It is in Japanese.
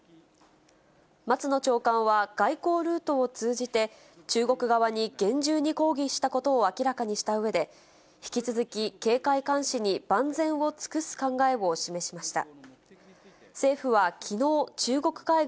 松野長官は、外交ルートを通じて、中国側に厳重に抗議したことを明らかにしたうえで、引き続き警戒監視に万全を尽くす考えを示しました。